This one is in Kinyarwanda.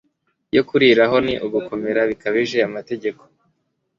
yo kuriraho ni ukugomera bikabije amategeko